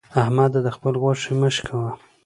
احمده! د خبل غوښې مه شکوه.